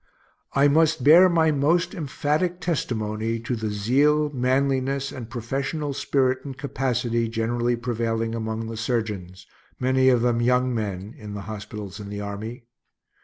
I must bear my most emphatic testimony to the zeal, manliness, and professional spirit and capacity generally prevailing among the surgeons, many of them young men, in the hospitals and the army.